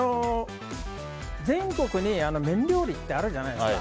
全国に麺料理ってあるじゃないですか。